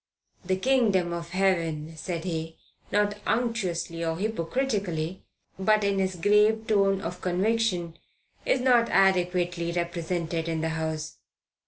"The Kingdom of Heaven," said he, not unctuously or hypocritically, but in his grave tone of conviction, "is not adequately represented in the House."